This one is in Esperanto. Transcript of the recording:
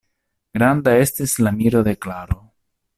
Granda estis la miro de Klaro.